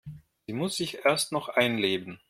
Sie muss sich erst noch einleben.